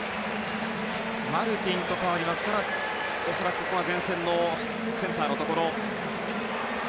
マルティンと代わりますから恐らくここは前線のセンター。